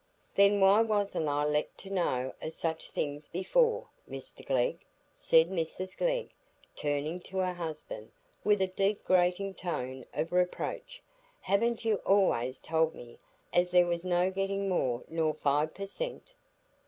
"Then why wasn't I let to know o' such things before, Mr Glegg?" said Mrs Glegg, turning to her husband, with a deep grating tone of reproach. "Haven't you allays told me as there was no getting more nor five per cent?"